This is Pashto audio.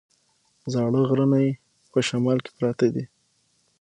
زاړه غرونه یې په شمال کې پراته دي.